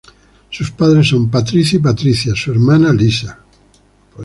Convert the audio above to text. Sus padres son Patrizio y Patrizia; su hermana, Lisa.